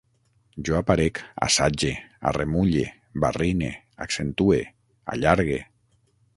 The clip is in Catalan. Jo aparec, assage, arremulle, barrine, accentue, allargue